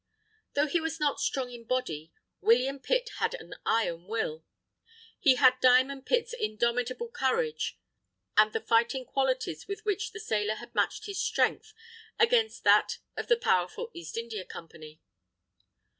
Though he was not strong in body, William Pitt had an iron will. He had "Diamond Pitt's" indomitable courage and the fighting qualities with which the sailor had matched his strength against that of the powerful East India Company.